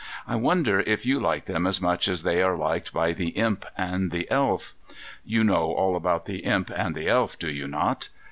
I wonder if you like them as much as they are liked by the Imp and the Elf? You know all about the Imp and the Elf, do you not?